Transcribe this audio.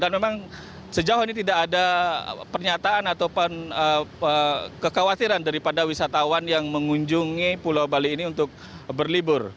dan memang sejauh ini tidak ada pernyataan atau kekhawatiran daripada wisatawan yang mengunjungi pulau bali ini untuk berlibur